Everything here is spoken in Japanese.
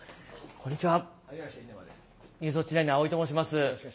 こんにちは。